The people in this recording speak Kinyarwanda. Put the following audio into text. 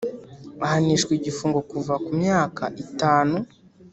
ahanishwa igifungo kuva ku myaka itanu